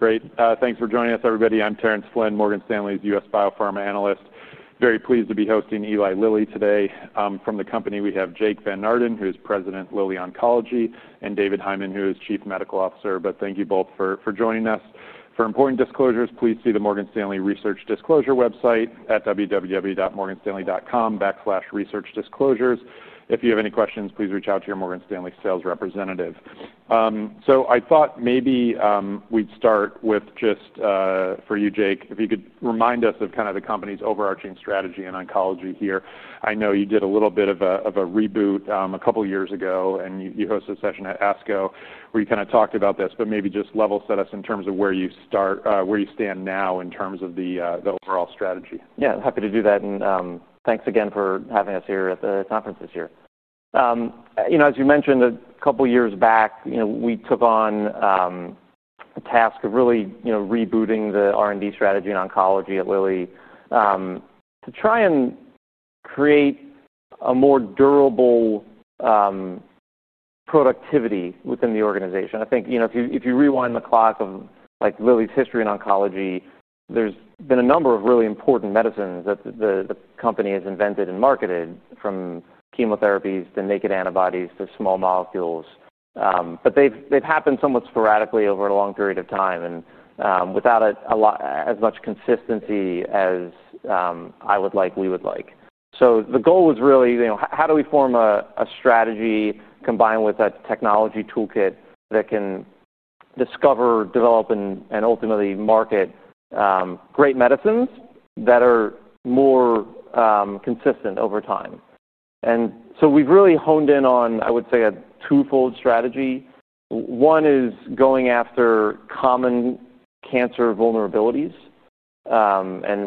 Great. Thanks for joining us, everybody. I'm Terence Flynn, Morgan Stanley's U.S. Biopharma Analyst. Very pleased to be hosting Eli Lilly today. From the company, we have Jake Van Naarden, who is President, Lilly Oncology, and David Hyman, who is Chief Medical Officer. Thank you both for joining us. For important disclosures, please see the Morgan Stanley Research Disclosure website at www.morganstanley.com/researchdisclosures. If you have any questions, please reach out to your Morgan Stanley sales representative. I thought maybe we'd start with just for you, Jake, if you could remind us of the company's overarching strategy in oncology here. I know you did a little bit of a reboot a couple of years ago, and you hosted a session at ASCO where you talked about this. Maybe just level set us in terms of where you stand now in terms of the overall strategy. Yeah, happy to do that. Thanks again for having us here at the conference this year. As you mentioned, a couple of years back, we took on a task of really rebooting the R&D strategy in oncology at Lilly to try and create a more durable productivity within the organization. I f you rewind the clock of Lilly's history in oncology, there's been a number of really important medicines that the company has invented and marketed, from chemotherapies to naked antibodies to small molecules. They've happened somewhat sporadically over a long period of time and without as much consistency as I would like, we would like. The goal was really, how do we form a strategy combined with a technology toolkit that can discover, develop, and ultimately market great medicines that are more consistent over time? We've really honed in on, I would say, a twofold strategy. One is going after common cancer vulnerabilities. We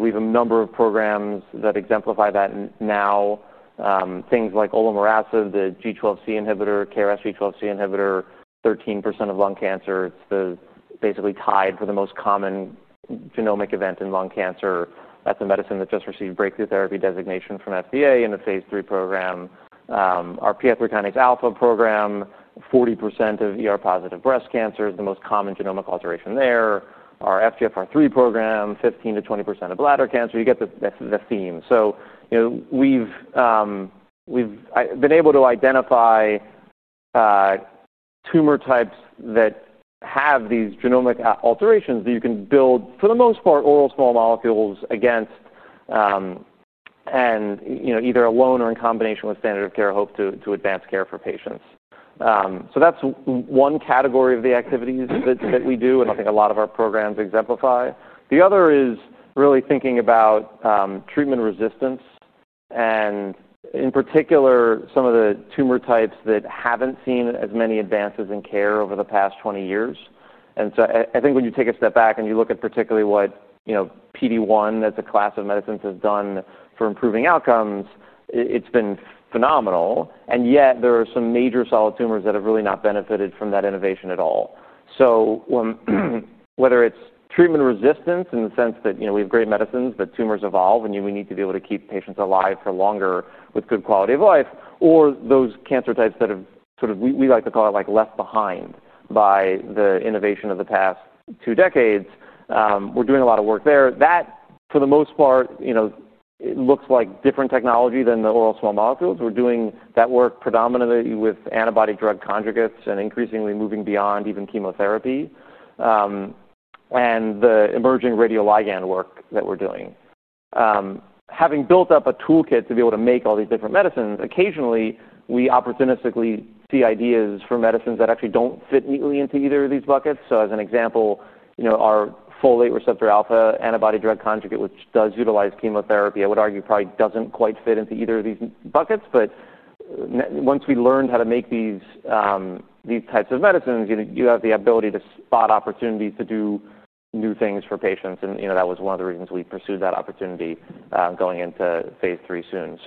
have a number of programs that exemplify that now, things like olomorasib, the G12C inhibitor, KRAS G12C, 13% of lung cancer. It's basically tied for the most common genomic event in lung cancer. That's a medicine that just received breakthrough therapy designation from FDA in a phase III program. Our PI3Kα program, 40% of ER-positive breast cancer, the most common genomic alteration there. Our FGFR3 program, 15%- 20% of bladder cancer. You get the theme. We've been able to identify tumor types that have these genomic alterations that you can build, for the most part, oral small molecules against either alone or in combination with standard of care hope to advance care for patients. That's one category of the activities that we do and I think a lot of our programs exemplify. The other is really thinking about treatment resistance and, in particular, some of the tumor types that haven't seen as many advances in care over the past 20 years. I think when you take a step back and you look at particularly what PD-1, that's a class of medicines, has done for improving outcomes, it's been phenomenal, and y et there are some major solid tumors that have really not benefited from that innovation at all. Whether it's treatment resistance in the sense that we have great medicines, but tumors evolve and we need to be able to keep patients alive for longer with good quality of life, or those cancer types that have, as we like to call it, been left behind by the innovation of the past two decades, we're doing a lot of work there. That, for the most part, looks like different technology than the oral small molecules. We're doing that work predominantly with antibody-drug conjugates and increasingly moving beyond even chemotherapy and the emerging radioligand work that we're doing. Having built up a toolkit to be able to make all these different medicines, occasionally we opportunistically see ideas for medicines that actually don't fit neatly into either of these buckets. As an example, our folate receptor alpha antibody-drug conjugate, which does utilize chemotherapy, probably doesn't quite fit into either of these buckets. Once we learned how to make these types of medicines, you have the ability to spot opportunities to do new things for patients. That was one of the reasons we pursued that opportunity going into phase III soon.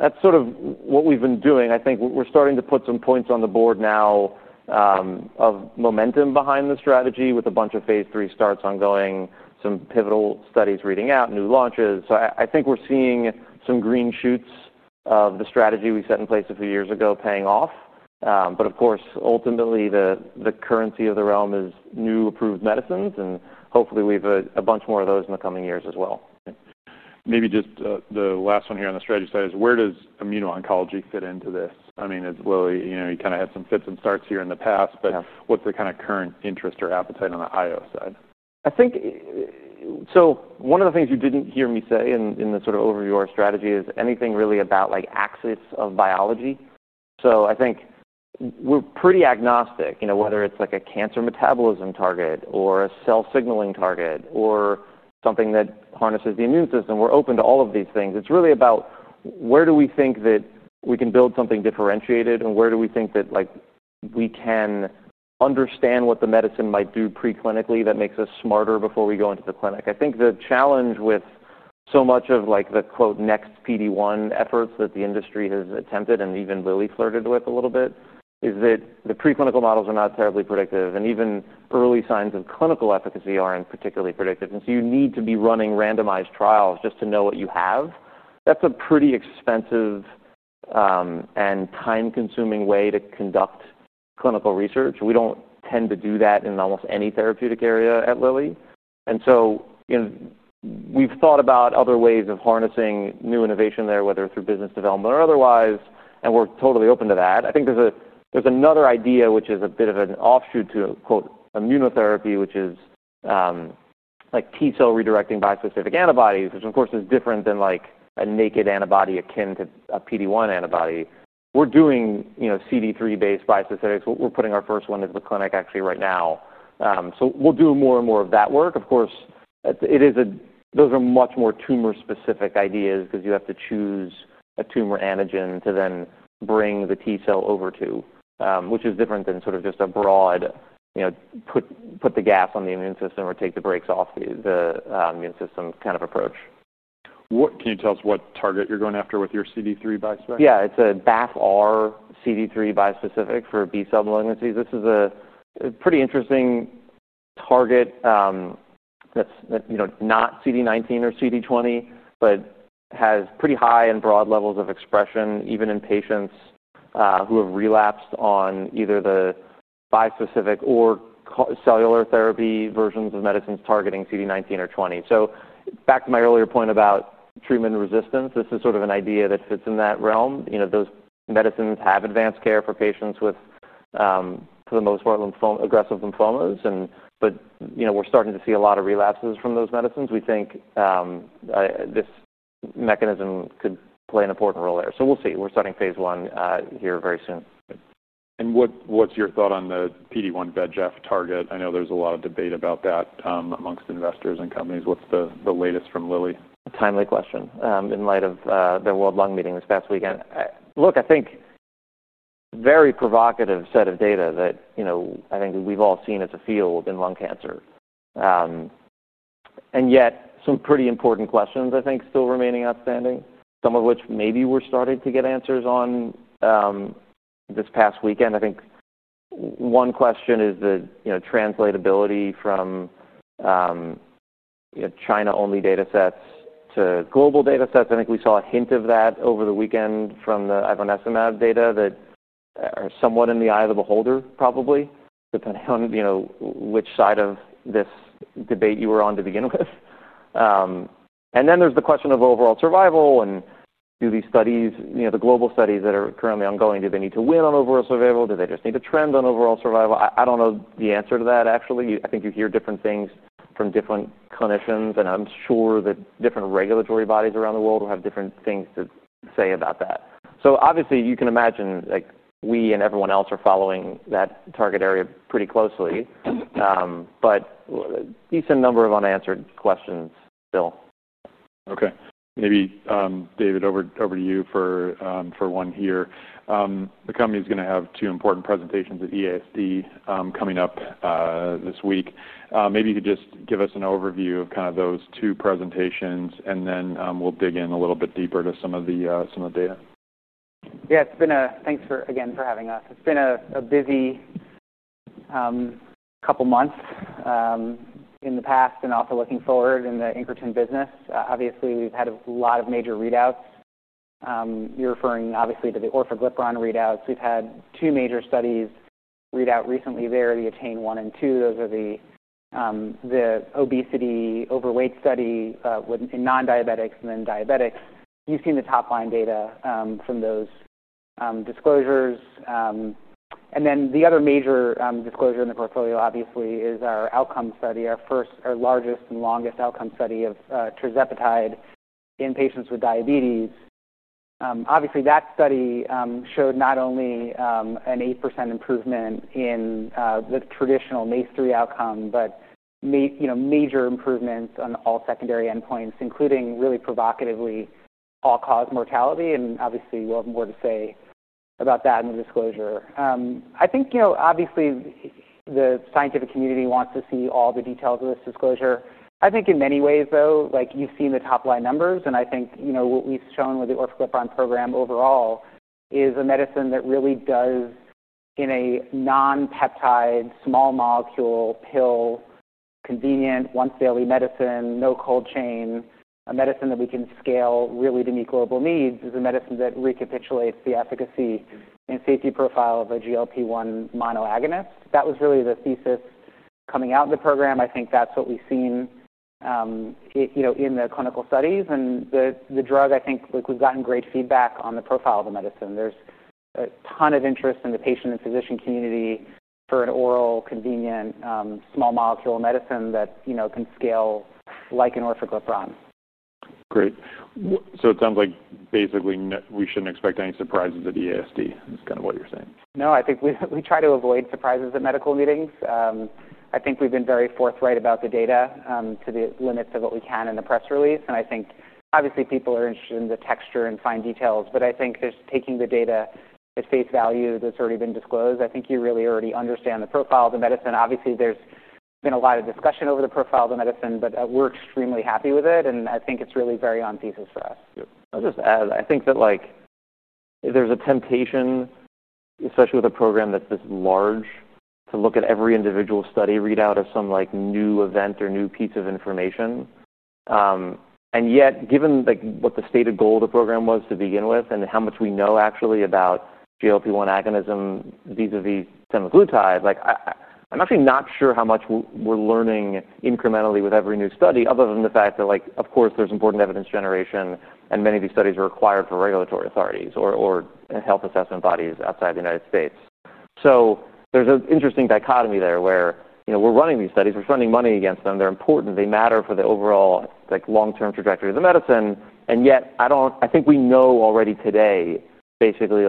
That's what we've been doing. I think we're starting to put some points on the board now of momentum behind the strategy with a bunch of phase III starts ongoing, some pivotal studies reading out, new launches. I think we're seeing some green shoots of the strategy we set in place a few years ago paying off. Of course, ultimately the currency of the realm is new approved medicines. Hopefully we have a bunch more of those in the coming years as well. Maybe just the last one here on the strategy side is where does immuno-oncology fit into this? A t Lilly, yo u had some fits and starts here in the past. What's the current interest or appetite on the IO side? One of the things you didn't hear me say in the overview of our strategy is anything really about axis of biology. I think we're pretty agnostic, whether it's a cancer metabolism target or a cell signaling target or something that harnesses the immune system. We're open to all of these things. It's really about where we think that we can build something differentiated and where we think that we can understand what the medicine might do preclinically that makes us smarter before we go into the clinic. I think the challenge with so much of the "next PD-1" efforts that the industry has attempted and even Lilly flirted with a little bit is that the preclinical models are not terribly predictive, and even early signs of clinical efficacy aren't particularly predictive. You need to be running randomized trials just to know what you have. That's a pretty expensive and time-consuming way to conduct clinical research. We don't tend to do that in almost any therapeutic area at Lilly. We've thought about other ways of harnessing new innovation there, whether through business development or otherwise, and we're totally open to that. I think there's another idea, which is a bit of an offshoot to "immunotherapy," which is T cell redirecting bispecific antibodies, which of course is different than a naked antibody akin to a PD-1 antibody. We're doing CD3-based bispecifics. We're putting our first one into the clinic actually right now. We'll do more and more of that work. Of course, those are much more tumor-specific ideas because you have to choose a tumor antigen to then bring the T cell over to, which is different than just a broad, put the gas on the immune system or take the brakes off the immune system approach. Can you tell us what target you're going after with your CD3 bispecific? Yeah, it's a BAFF-R CD3 bispecific for B- cell malignancies. This is a pretty interesting target that's not CD19 or CD20, but has pretty high and broad levels of expression even in patients who have relapsed on either the bispecific or cellular therapy versions of medicines targeting CD19 or 20. Back to my earlier point about treatment resistance, this is an idea that fits in that realm. T hose medicines have advanced care for patients with, for the most part, aggressive lymphomas. We're starting to see a lot of relapses from those medicines. We think this mechanism could play an important role there. We'll see. We're starting phase I here very soon. What is your thought on the PD-1/ VEGF target? I know there's a lot of debate about that amongst investors and companies. What's the latest from Lilly? Timely question in light of the World Lung Meeting this past weekend. I think a very provocative set of data that I think we've all seen as a field in lung cancer. Yet some pretty important questions, I think, still remain outstanding, some of which maybe we're starting to get answers on this past weekend. I think one question is the translatability from China-only data sets to global data sets. I think we saw a hint of that over the weekend from the ivannesimab data that are somewhat in the eye of the beholder, probably, depending on which side of this debate you were on to begin with. There's the question of overall survival. Do these studies, the global studies that are currently ongoing, need to win on overall survival? Do they just need to trend on overall survival? I don't know the answer to that, actually. I think you hear different things from different clinicians. I'm sure that different regulatory bodies around the world will have different things to say about that. Obviously, you can imagine like we and everyone else are following that target area pretty closely. A decent number of unanswered questions still. Okay. Maybe, David, over to you for one here. The company is going to have two important presentations at EASD coming up this week. Maybe you could just give us an overview of t hose two presentations and then w e'll dig in a little bit deeper to some of the data. Yeah, thanks again for having us. It's been a busy couple of months in the past and also looking forward in the incretin business. Obviously, we've had a lot of major readouts. You're referring, obviously, to the Orforglipron readouts. We've had two major studies read out recently there, the ATTAIN- 1 and 2. Those are the obesity/overweight study in non-diabetics and then diabetics. You've seen the top line data from those disclosures. The other major disclosure in the portfolio, obviously, is our outcome study, our largest and longest outcome study of Tirzepatide in patients with diabetes. That study showed not only an 8% improvement in the traditional MACE3 outcome, but major improvements on all secondary endpoints, including really provocatively all-cause mortality. You'll have more to say about that in the disclosure. I think the scientific community wants to see all the details of this disclosure. I think in many ways, though, like you've seen the top line numbers. What we've shown with the Orforglipron program overall is a medicine that really does, in a non-peptide small molecule pill, convenient once-daily medicine, no cold chain, a medicine that we can scale really to meet global needs, is a medicine that recapitulates the efficacy and safety profile of a GLP-1 monoagonist. That was really the thesis coming out of the program. I think that's what we've seen in the clinical studies. The drug, I think, like we've gotten great feedback on the profile of the medicine. There's a ton of interest in the patient and physician community for an oral, convenient, small molecule medicine that can scale like an Orforglipron. Great. It sounds basically we shouldn't expect any surprises at EASD, is kind of what you're saying. No, I think we try to avoid surprises at medical meetings. I think we've been very forthright about the data to the limits of what we can in the press release. I think, obviously, people are interested in the texture and fine details. I think just taking the data at face value that's already been disclosed, you really already understand the profile of the medicine. Obviously, there's been a lot of discussion over the profile of the medicine. We're extremely happy with it. I think it's really very on thesis for us. I'll just add, I think that there's a temptation, especially with a program that's this large, to look at every individual study readout of some new event or new piece of information. Yet, given what the stated goal of the program was to begin with and how much we know actually about GLP-1 agonism vis-à-vis semaglutide, I'm actually not sure how much we're learning incrementally with every new study other than the fact that there's important evidence generation. Many of these studies are required for regulatory authorities or health assessment bodies outside the U.S. There's an interesting dichotomy there where we're running these studies, we're spending money against them, they're important, they matter for the overall long-term trajectory of the medicine. Yet I think we know already today, basically,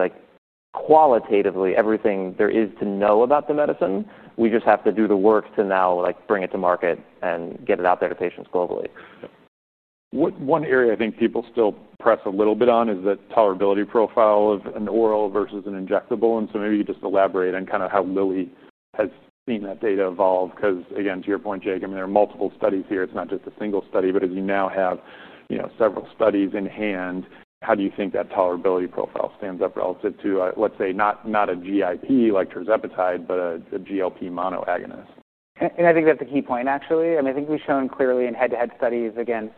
qualitatively, everything there is to know about the medicine. We just have to do the work to now bring it to market and get it out there to patients globally. One area I think people still press a little bit on is the tolerability profile of an oral versus an injectable. Maybe you just elaborate on h ow Lilly has seen that data evolve. Because again, to your point, Jake, I mean, there are multiple studies here. It's not just a single study. As you now have several studies in hand, how do you think that tolerability profile stands up relative to, let's say, not a GIP like Tirzepatide, but a GLP-1 monoagonist? I think that's a key point, actually. I think we've shown clearly in head-to-head studies against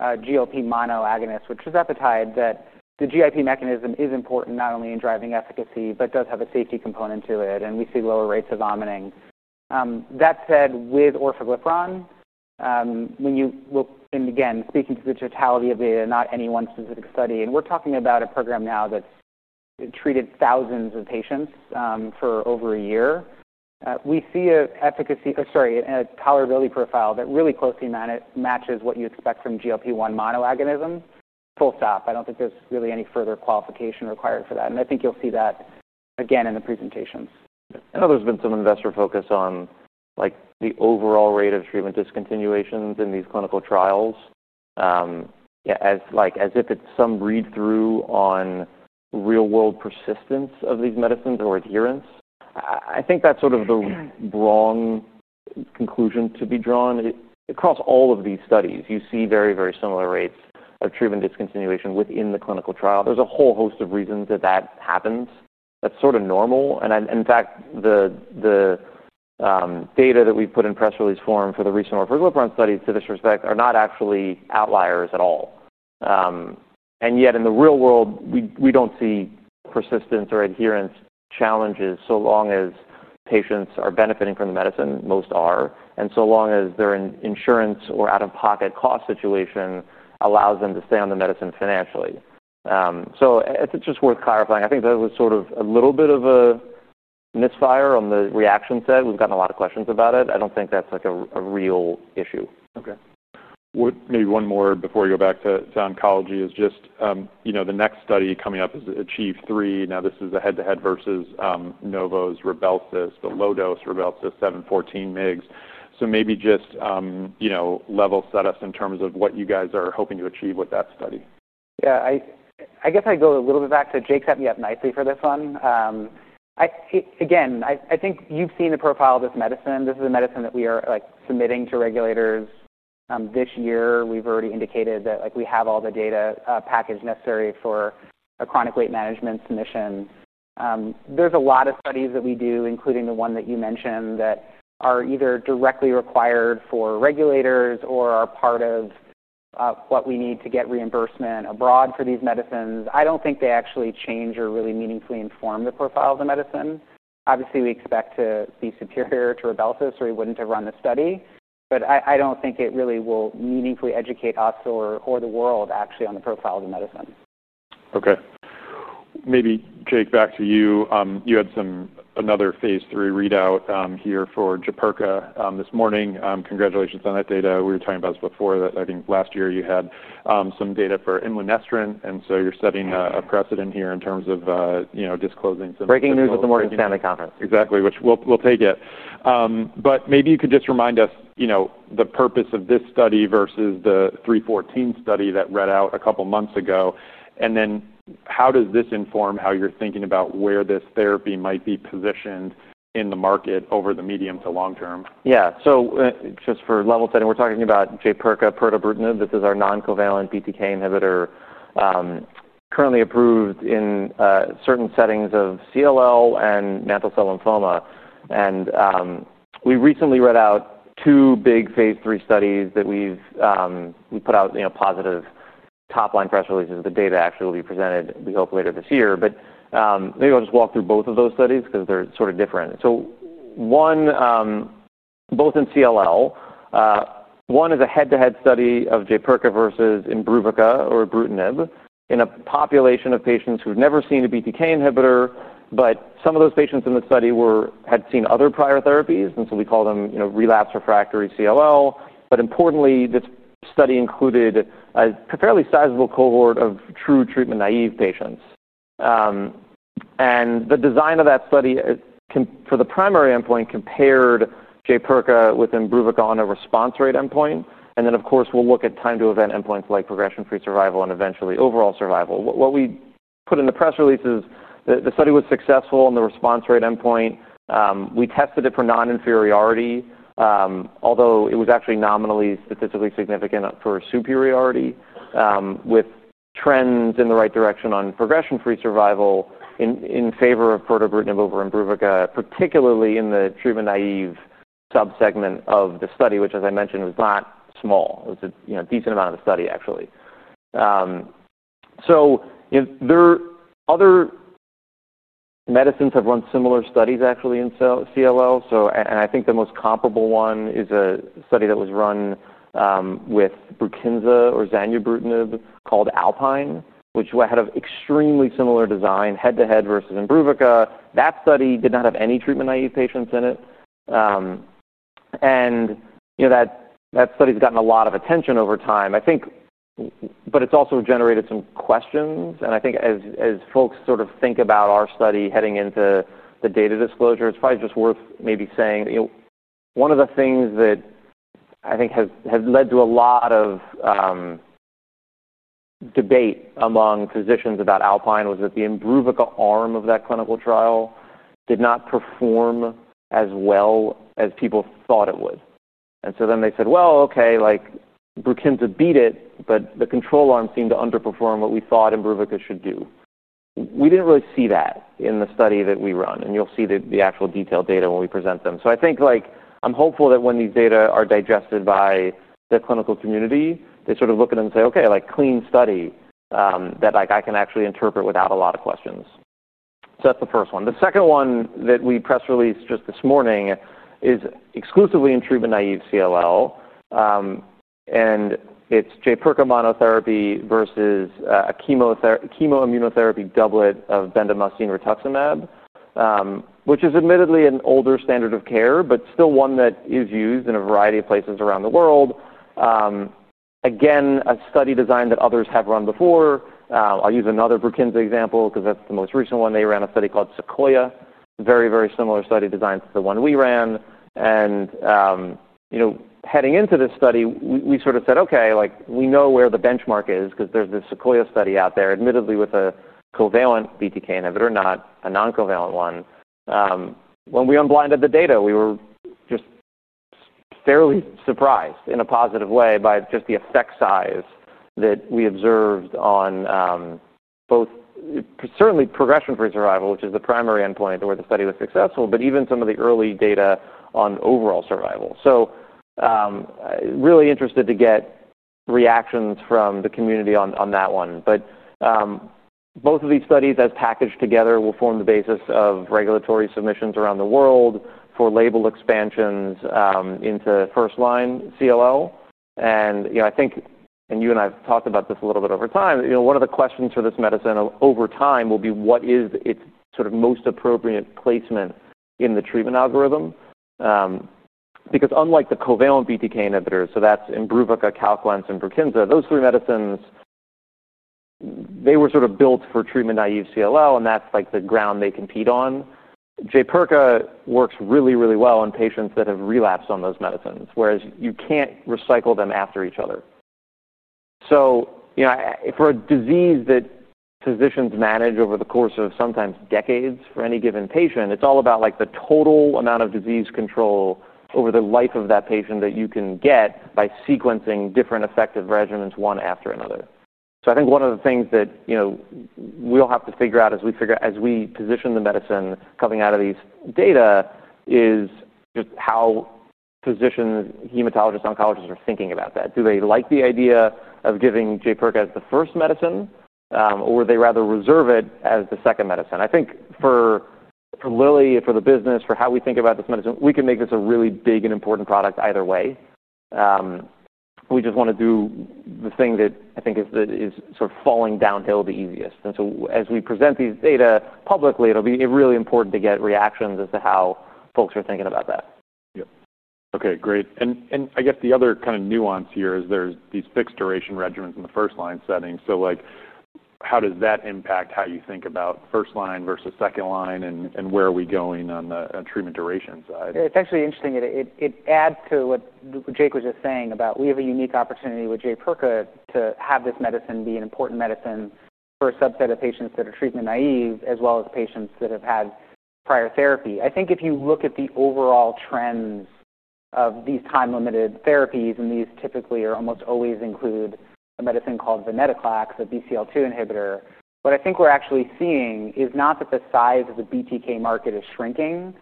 GLP-1 monoagonist with Tirzepatide that the GIP mechanism is important not only in driving efficacy, but does have a safety component to it. We see lower rates of vomiting. That said, with Orforglipron, and again, speaking to the totality of data, not any one specific study, and we're talking about a program now that's treated thousands of patients for over a year, we see a tolerability profile that really closely matches what you expect from GLP-1 monoagonism. Full stop. I don't think there's really any further qualification required for that. I think you'll see that again in the presentations. I know there's been some investor focus on the overall rate of treatment discontinuations in these clinical trials, as if it's some read-through on real-world persistence of these medicines or adherence. I think that's the wrong conclusion to be drawn. Across all of these studies, you see very, very similar rates of treatment discontinuation within the clinical trial. There's a whole host of reasons that that happens. That's normal. In fact, the data that we put in press release form for the recent Orforglipron studies to this respect are not actually outliers at all. Yet, in the real world, we don't see persistence or adherence challenges so long as patients are benefiting from the medicine, most are, and so long as their insurance or out-of-pocket cost situation allows them to stay on the medicine financially. It's just worth clarifying. I think that was sort of a little bit of a misfire on the reaction side. We've gotten a lot of questions about it. I don't think that's a real issue. Okay. Maybe one more before you go back to oncology is just, you know, the next study coming up is ACHIEVE 3. Now this is the head-to-head versus Novo's Rybelsus, the low-dose Rybelsus 7 or 14 mg. Maybe just level set us in terms of what you guys are hoping to achieve with that study. Yeah, I guess I'd go a little bit back. Jake set me up nicely for this one. I think you've seen the profile of this medicine. This is a medicine that we are submitting to regulators this year. We've already indicated that we have all the data package necessary for a chronic weight management clinician. There's a lot of studies that we do, including the one that you mentioned, that are either directly required for regulators or are part of what we need to get reimbursement abroad for these medicines. I don't think they actually change or really meaningfully inform the profile of the medicine. Obviously, we expect to be superior to Rybelsus, or we wouldn't have run the study. I don't think it really will meaningfully educate us or the world on the profile of the medicine. Okay. Maybe Jake, back to you. You had another phase III readout here for Jaypirca this morning. Congratulations on that data. We were talking about this before that I think last year you had some data for ondansetron. You're setting a precedent here in terms of disclosing some. Breaking news at the Morgan Stanley conference. Exactly, we'll take it. Maybe you could just remind us the purpose of this study versus the 314 study that read out a couple of months ago. How does this inform how you're thinking about where this therapy might be positioned in the market over the medium- to long- term? Yeah, so just for level setting, we're talking about Jaypirca, pirtobrutinib. This is our non-covalent BTK inhibitor currently approved in certain settings of CLL and mantle cell lymphoma. We recently read out two big phase III studies that we've put out positive top- line press releases with. The data actually will be presented, we hope, later this year. Maybe I'll just walk through both of those studies because they're different. Both in CLL, one is a head-to-head study of Jaypirca versus Imbruvica or ibrutinib in a population of patients who've never seen a BTK inhibitor. Some of those patients in the study had seen other prior therapies, so we call them relapsed refractory CLL. Importantly, this study included a fairly sizable cohort of true treatment-naive patients. The design of that study for the primary endpoint compared Jaypirca with Imbruvica on a response rate endpoint. Of course, we'll look at time-to-event endpoints like progression-free survival and eventually overall survival. What we put in the press release is the study was successful on the response rate endpoint. We tested it for non-inferiority, although it was actually nominally statistically significant for superiority, with trends in the right direction on progression-free survival in favor of pirtobrutinib over Imbruvica, particularly in the treatment-naive subsegment of the study, which, as I mentioned, is not small. It's a decent amount of the study, actually. O ther medicines that have run similar studies, actually, in CLL. I think the most comparable one is a study that was run with Brukinsa or zanubrutinib called Alpine, which had an extremely similar design, head-to-head versus Imbruvica. That study did not have any treatment-naive patients in it. That study's gotten a lot of attention over time, but i t's also generated some questions. I think as folks sort of think about our study heading into the data disclosure, it's probably just worth maybe saying, one of the things that I think has led to a lot of debate among physicians about Alpine was that the Imbruvica arm of that clinical trial did not perform as well as people thought it would. Then they said, 'Okay, Brukinsa beat it, but the control arm seemed to underperform what we thought Imbruvica should do." We didn't really see that in the study that we run. You'll see the actual detailed data when we present them. I 'm hopeful that when these data are digested by the clinical community, they sort of look at them and say, "Okay, clean study that I can actually interpret without a lot of questions." That's the first one. The second one that we press released just this morning is exclusively in treatment-naive CLL, and it's Jaypirca monotherapy versus a chemoimmunotherapy doublet of bendamustine/rituximab, which is admittedly an older standard of care, but still one that is used in a variety of places around the world. Again, a study design that others have run before. I'll use another Brukinsa example because that's the most recent one. They ran a study called Sequoia, very, very similar study design to the one we ran. Heading into this study, we said, "Okay, we know where the benchmark is because there's this Sequoia study out there, " admittedly with a covalent BTK inhibitor, not a non-covalent one. When we unblinded the data, we were just fairly surprised in a positive way by the effect size that we observed on both certainly progression-free survival, which is the primary endpoint where the study was successful, but even some of the early data on overall survival. Really interested to get reactions from the community on that one. Both of these studies, as packaged together, will form the basis of regulatory submissions around the world for label expansions into first-line CLL. I think, and you and I have talked about this a little bit over time, one of the questions for this medicine over time will be what is its most appropriate placement in the treatment algorithm. Unlike the covalent BTK inhibitors, so that's Imbruvica, Calquence, and Brukinsa, those three medicines were b uilt for treatment-naive CLL, and that's the ground they compete on. Jaypirca works really, really well on patients that have relapsed on those medicines, whereas you can't recycle them after each other. For a disease that physicians manage over the course of sometimes decades for any given patient, it's all about the total amount of disease control over the life of that patient that you can get by sequencing different effective regimens one after another. I think one of the things that we'll have to figure out as we position the medicine coming out of these data is just how physicians, hematologists, oncologists are thinking about that. Do they like the idea of giving Jaypirca as the first medicine, or would they rather reserve it as the second medicine? I think for Lilly, for the business, for how we think about this medicine, we can make this a really big and important product either way. We just want to do the thing that I think is falling downhill the easiest. As we present these data publicly, it'll be really important to get reactions as to how folks are thinking about that. Great. T he other nuance here is there's these fixed duration regimens in the first-line setting. How does that impact how you think about first-line versus second-line and where are we going on the treatment duration side? It's actually interesting. It adds to what Jake was just saying about we have a unique opportunity with Jaypirca to have this medicine be an important medicine for a subset of patients that are treatment-naive, as well as patients that have had prior therapy. I think if you look at the overall trends of these time-limited therapies, and these typically almost always include a medicine called venetoclax, a BCL-2 inhibitor, what I think we're actually seeing is not that the size of the BTK market is shrinking,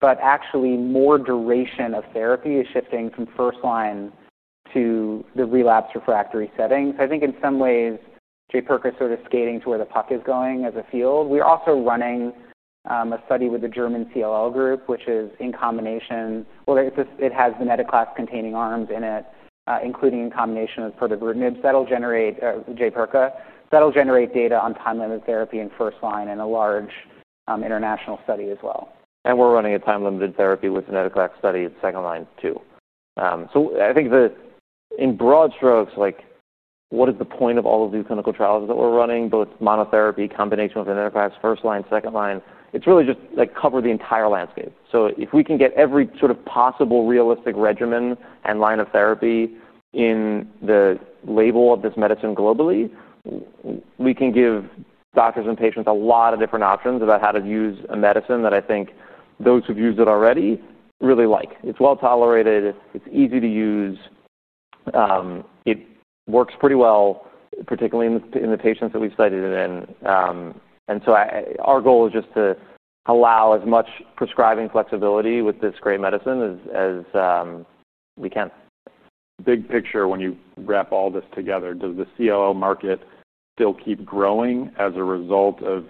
but actually more duration of therapy is shifting from first-line to the relapse refractory setting. I think in some ways, Jaypirca is skating to where the puck is going as a field. We're also running a study with a German CLL group, which has venetoclax-containing arms in it, including in combination with pirtobrutinib. That'll generate Jaypirca. That'll generate data on time-limited therapy in first-line and a large international study as well. We're running a time-limited therapy with venetoclax study in second-line too. I think in broad strokes, what is the point of all of these clinical trials that we're running, both monotherapy, combination with venetoclax, first-line, second-line? It's really just cover the entire landscape. If we can get every possible realistic regimen and line of therapy in the label of this medicine globally, we can give doctors and patients a lot of different options about how to use a medicine that I think those who've used it already really like. It's well tolerated. It's easy to use. It works pretty well, particularly in the patients that we've studied it in. Our goal is just to allow as much prescribing flexibility with this great medicine as we can. Big picture, when you wrap all this together, does the CLL market still keep growing as a result of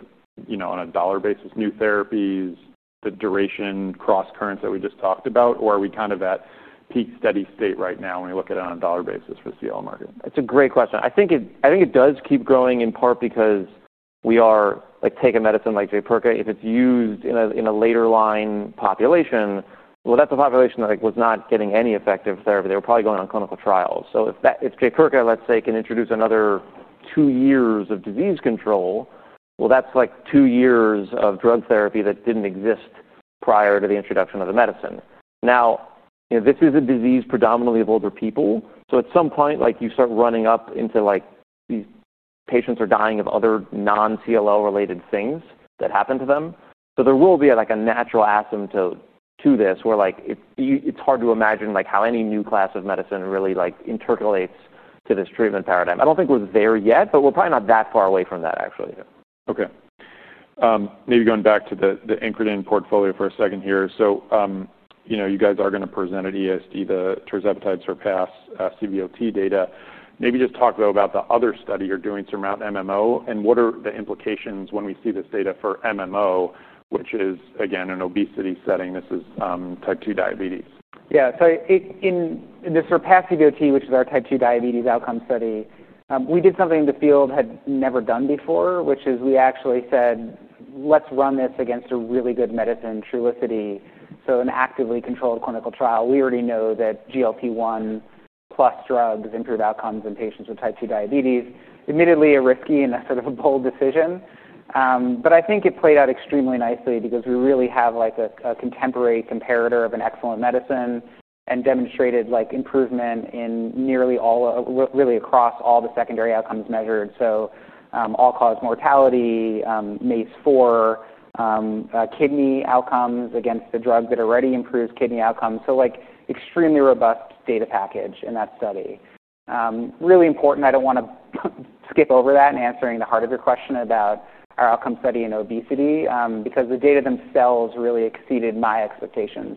on a dollar basis, new therapies, the duration cross-currents that we just talked about, or a re we at peak steady state right now when we look at it on a dollar basis for the CLL market? It's a great question. I think it does keep growing in part because we are like, take a medicine like Jaypirca. If it's used in a later line population, that's a population that was not getting any effective therapy. They were probably going on clinical trials. If Jaypirca, let's say, can introduce another two years of disease control, that's two years of drug therapy that didn't exist prior to the introduction of the medicine. Now, this is a disease predominantly of older people. At some point, you start running up into these patients are dying of other non-CLL-related things that happen to them. There will be a natural asymptote to this where it's hard to imagine how any new class of medicine really intercalates to this treatment paradigm. I don't think we're there yet, but we're probably not that far away from that, actually. Okay. Maybe going back to the incretin portfolio for a second here. You guys are going to present at EASD the t irzepatide SURPASS-CVOT data. Maybe just talk about the other study you're doing, SURMOUNT- MMO. What are the implications when we see this data for MMO, which is, again, an obesity setting? This is type 2 diabetes. Yeah, in the SURPASS-CVOT, which is our type 2 diabetes outcome study, we did something the field had never done before, which is we actually said, let's run this against a really good medicine, Trulicity. An actively controlled clinical trial. We already know that GLP-1 plus drugs improve outcomes in patients with type 2 diabetes. Admittedly, a risky and a bold decision. I think it played out extremely nicely because we really have a contemporary comparator of an excellent medicine and demonstrated improvement in really across all the secondary outcomes measured. All-cause mortality, MACE4, kidney outcomes against the drug that already improves kidney outcomes. Extremely robust data package in that study. Really important. I don't want to skip over that in answering the heart of your question about our outcome study in obesity because the data themselves really exceeded my expectations,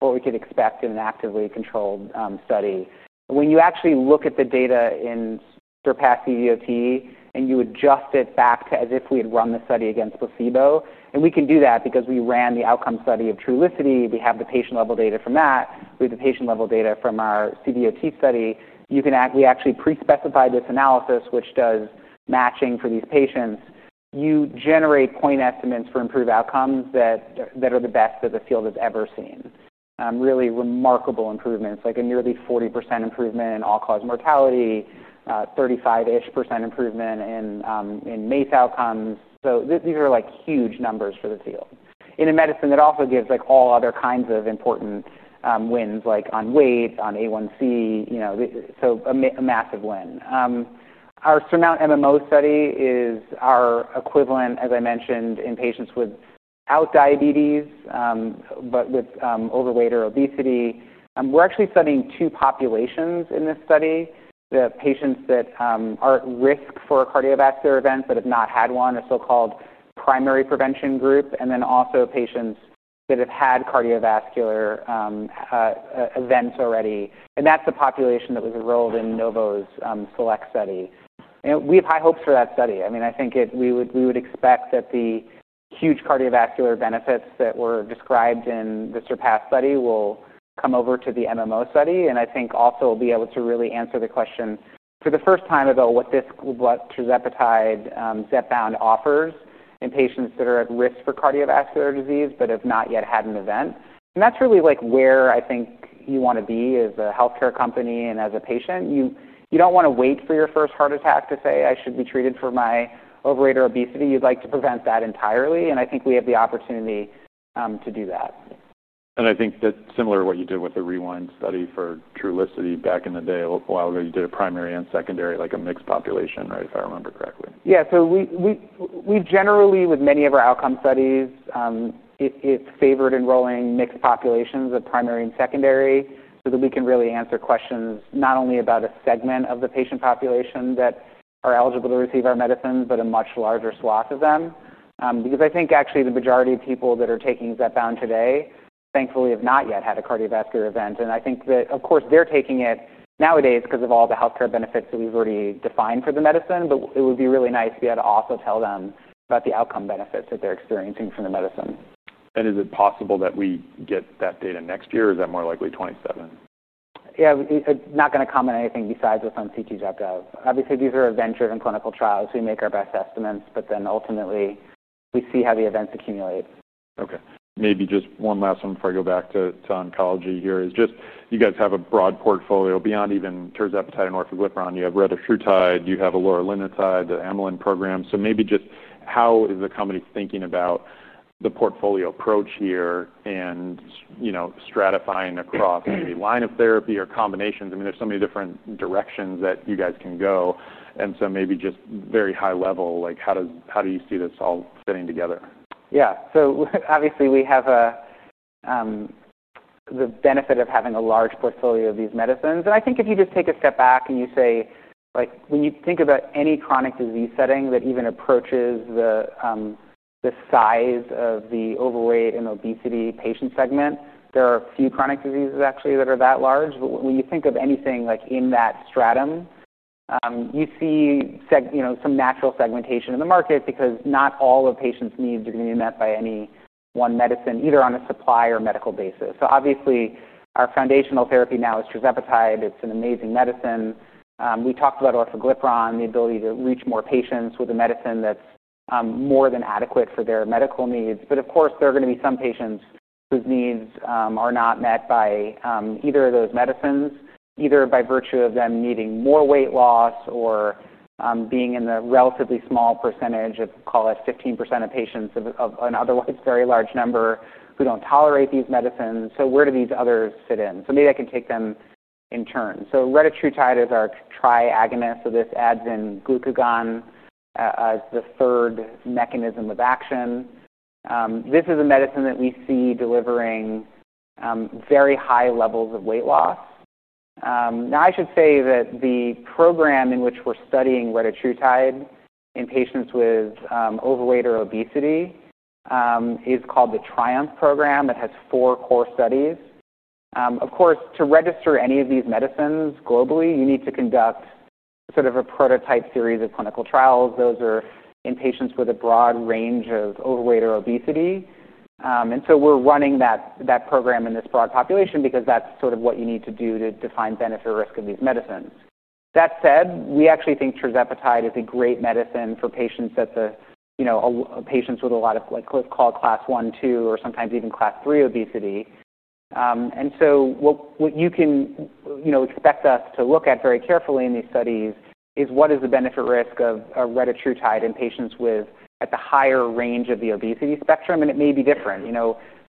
what we could expect in an actively controlled study. When you actually look at the data in SURPASS-CVOT and you adjust it back to as if we had run the study against placebo, and we can do that because we ran the outcome study of Trulicity. We have the patient-level data from that. We have the patient-level data from our CVOT study. We actually pre-specified this analysis, which does matching for these patients. You generate point estimates for improved outcomes that are the best that the field has ever seen. Really remarkable improvements, like a nearly 40% improvement in all-cause mortality, 35% improvement in MACE outcomes. These are huge numbers for the field in a medicine that also gives all other kinds of important wins, like on weight, on A1c, a massive win. Our SURMOUNT- MMO study is our equivalent, as I mentioned, in patients without diabetes, but with overweight or obesity. We're actually studying two populations in this study, the patients that are at risk for a cardiovascular event but have not had one, a so-called primary prevention group, and also patients that have had cardiovascular events already. That's the population that was enrolled in Novo's SELECT study. We have high hopes for that study. I think we would expect that the huge cardiovascular benefits that were described in the SURPASS study will come over to the MMO study. I think also we'll be able to really answer the question for the first time about what tirzepatide/ Zepbound offers in patients that are at risk for cardiovascular disease but have not yet had an event. That's really where I think you want to be as a health care company and as a patient. You don't want to wait for your first heart attack to say, I should be treated for my overweight or obesity. You'd like to prevent that entirely. I think we have the opportunity to do that. I think that's similar to what you did with the REWIND study for Trulicity back in the day a while ago. You did a primary and secondary, like a mixed population, right, if I remember correctly. We generally, with many of our outcome studies, favor enrolling mixed populations of primary and secondary so that we can really answer questions not only about a segment of the patient population that are eligible to receive our medicine, but a much larger swath of them. I think actually the majority of people that are taking Zepbound today, thankfully, have not yet had a cardiovascular event. I think that, of course, they're taking it nowadays because of all the health care benefits that we've already defined for the medicine. It would be really nice if we had to also tell them about the outcome benefits that they're experiencing from the medicine. Is it possible that we get that data next year, or is that more likely 2027? Yeah, I'm not going to comment anything besides what's on CT Japerka. Obviously, these are event-driven clinical trials. We make our best estimates, but ultimately, we see how the events accumulate. Okay. Maybe just one last one before I go back to oncology here is just you guys have a broad portfolio beyond even tirzepatide and orforglipron. You have retatrutide. You have eloralintide, the Amylin program. Maybe just how is the company thinking about the portfolio approach here and stratifying across maybe line of therapy or combinations? T here's so many different directions that you guys can go. Maybe just very high level, how do you see this all fitting together? Yeah, obviously, we have the benefit of having a large portfolio of these medicines. I think if you just take a step back and you say, when you think about any chronic disease setting that even approaches the size of the overweight and obesity patient segment, there are a few chronic diseases actually that are that large. When you think of anything like in that stratum, you see some natural segmentation in the market because not all of patients' needs are going to be met by any one medicine, either on a supply or medical basis. Obviously, our foundational therapy now is tirzepatide. It's an amazing medicine. We talked about orforglipron, the ability to reach more patients with a medicine that's more than adequate for their medical needs. Of course, there are going to be some patients whose needs are not met by either of those medicines, either by virtue of them needing more weight loss or being in the relatively small percentage of, call it 15% of patients of an otherwise very large number who don't tolerate these medicines. Where do these others fit in? Maybe I can take them in turns. Retatrutide is our tri-agonist. This adds in glucagon as the third mechanism of action. This is a medicine that we see delivering very high levels of weight loss. I should say that the program in which we're studying retatrutide in patients with overweight or obesity is called the TRIUMPH program. It has four core studies. Of course, to register any of these medicines globally, you need to conduct a prototype series of clinical trials. Those are in patients with a broad range of overweight or obesity. We're running that program in this broad population because that's what you need to do to define benefit or risk of these medicines. That said, we actually think tirzepatide is a great medicine for patients with a lot of called class I, II, or sometimes even class III obesity. What you can expect us to look at very carefully in these studies is what is the benefit-risk of retatrutide in patients at the higher range of the obesity spectrum. It may be different.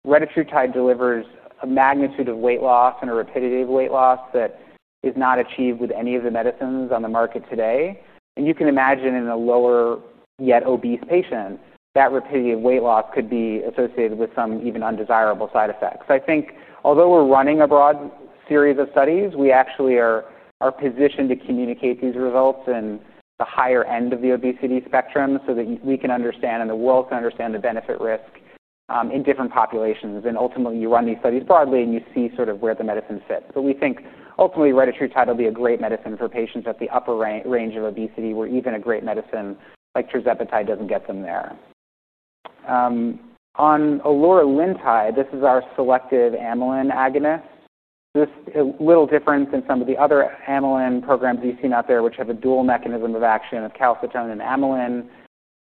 Retatrutide delivers a magnitude of weight loss and a repetitive weight loss that is not achieved with any of the medicines on the market today. You can imagine in a lower yet obese patient, that repetitive weight loss could be associated with some even undesirable side effects. I think although we're running a broad series of studies, we actually are positioned to communicate these results in the higher end of the obesity spectrum so that we can understand and the world can understand the benefit-risk in different populations. Ultimately, you run these studies broadly and you see sort of where the medicine fits. We think ultimately, retatrutide will be a great medicine for patients at the upper range of obesity where even a great medicine like tirzepatide doesn't get them there. On eloralintide, this is our selective amylin agonist. It's just a little different than some of the other Amylin programs that you've seen out there, which have a dual mechanism of action of calcitonin and amylin.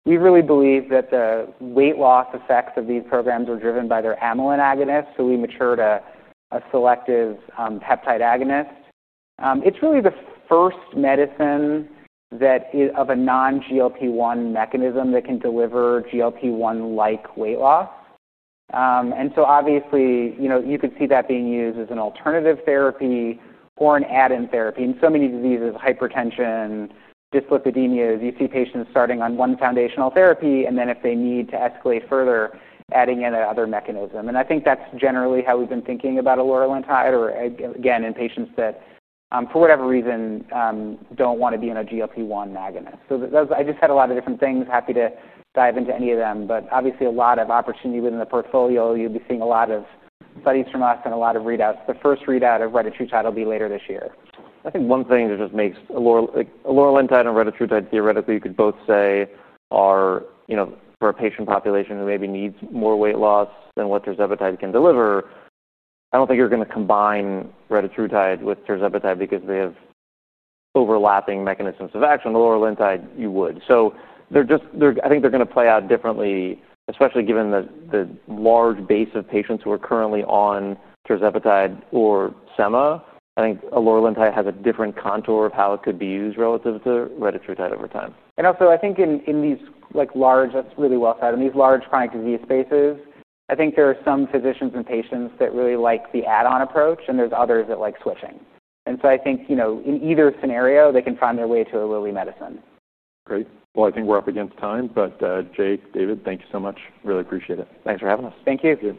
We really believe that the weight loss effects of these programs are driven by their amylin agonist, so w e matured a selective peptide agonist. It's really the first medicine that is of a non-GLP-1 mechanism that can deliver GLP-1-like weight loss. Obviously, you could see that being used as an alternative therapy or an add-in therapy. In so many diseases, hypertension, dyslipidemias, you see patients starting on one foundational therapy and then if they need to escalate further, adding in another mechanism. I think that's generally how we've been thinking about an amylin agonist or, again, in patients that for whatever reason don't want to be on a GLP-1 agonist. I just had a lot of different things. Happy to dive into any of them. Obviously, a lot of opportunity within the portfolio. You'll be seeing a lot of updates from us and a lot of readouts. The first readout of retatrutide will be later this year. I think one thing that just makes eloralintide and retatrutide, theoretically, you could both say are for a patient population that maybe needs more weight loss than what tirzepatide can deliver. I don't think you're going to combine retatrutide with tirzepatide because they have overlapping mechanisms of action; eloralintide, you would. I think they're going to play out differently, especially given the large base of patients who are currently on tirzepatide/s ema. I think eloralintide has a different contour of how it could be used relative to retatrutide over time. I think in these large, that's really well said, in these large chronic disease spaces, I think there are some physicians and patients that really like the add-on approach. There are others that like switching. I think in either scenario, they can find their way to a Lilly medicine. Great. I think we're up against time. Jake, David, thank you so much. Really appreciate it. Thanks for having us. Thank you. Thank you.